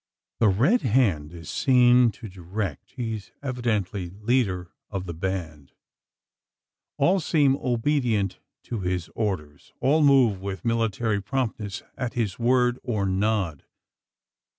The Red Hand is seen to direct. He is evidently leader of the band. All seem obedient to his orders; all move with military promptness at his word or nod.